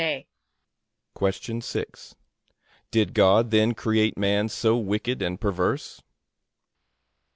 A.